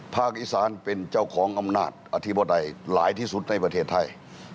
ภาคอีสานเป็นเจ้าของอำนาจอธิบใดหลายที่สุดในประเทศไทย